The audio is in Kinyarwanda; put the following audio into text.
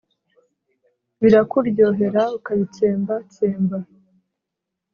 Birakuryohera ukabitsemba, tsemba